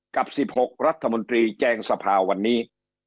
กับ๑๖รัฐมนตรีแจงสภาวันนี้